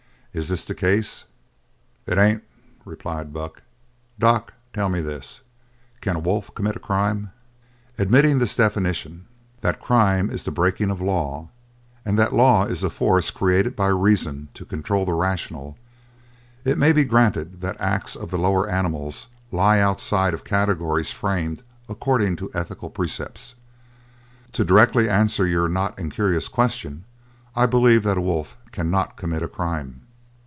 Is this the case?" "It ain't," replied Buck. "Doc, tell me this: Can a wolf commit a crime?" "Admitting this definition: that crime is the breaking of law, and that law is a force created by reason to control the rational, it may be granted that the acts of the lower animals lie outside of categories framed according to ethical precepts. To directly answer your not incurious question: I believe that a wolf cannot commit a crime."